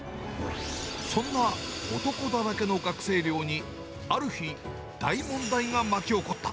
そんな男だらけの学生寮に、ある日、大問題が巻き起こった。